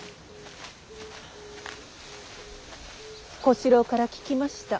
小四郎から聞きました。